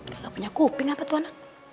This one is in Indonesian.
gak punya kuping apa tuh anak